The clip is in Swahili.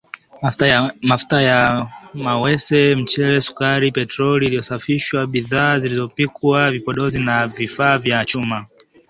Mafuta ya mawese, mchele, sukari, petroli iliyosafishwa, bidhaa zilizopikwa, vipodozi na vifaa vya chuma